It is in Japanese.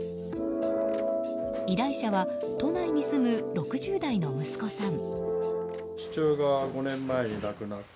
依頼者は都内に住む６０代の息子さん。